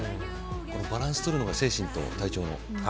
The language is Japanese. バランスとるのが、精神と体調の。